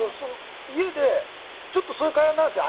家でちょっとそういう会話になるんですよ。